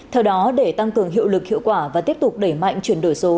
theo đó để tăng cường hiệu lực hiệu quả và tiếp tục đẩy mạnh chuyển đổi số